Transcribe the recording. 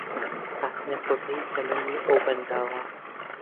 هاتینە کۆتایی تەمەنی ئەو بەنداوە